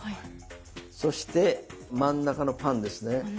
そして真ん中のパンですね。